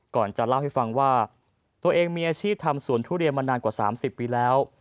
ก่อนจะเล่าให้ฟังว่าตัวเองมีอาชีพทำสวนทุเรียนมานานกว่า๓๐ปีแล้ว